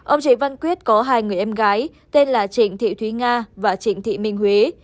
ông chế văn quyết có hai người em gái tên là trịnh thị thúy nga và trịnh thị minh huế